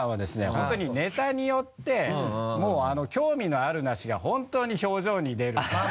本当にネタによって興味のあるなしが本当に表情に出るんですよ。